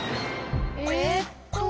えっと。